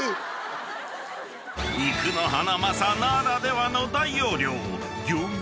［肉のハナマサならではの大容量］